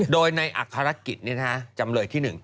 โดยในอัครกิจจำเลยที่๑